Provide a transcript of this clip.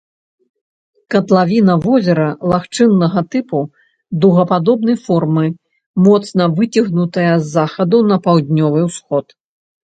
Катлавіна возера лагчыннага тыпу дугападобнай формы, моцна выцягнутая з захаду на паўднёвы ўсход.